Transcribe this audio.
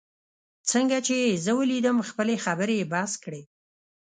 څنګه چي یې زه ولیدم، خپلې خبرې یې بس کړې.